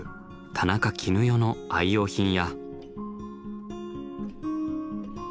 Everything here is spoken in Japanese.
田中絹代の愛用品や。